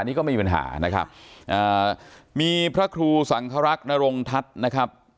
นี่ก็ไม่มีปัญหานะครับอ่ามีพระครูสังครักษ์นรงทัศน์นะครับ